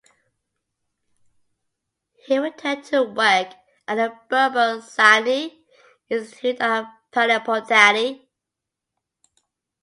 He returned to work at the Birbal Sahni Institute of Palaeobotany.